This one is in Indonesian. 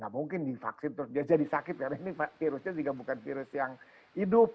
mungkin divaksin terus dia jadi sakit karena ini virusnya juga bukan virus yang hidup